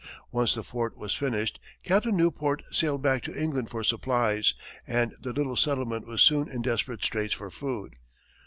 Once the fort was finished, Captain Newport sailed back to England for supplies, and the little settlement was soon in desperate straits for food.